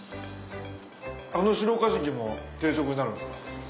あのシロカジキも定食になるんですか？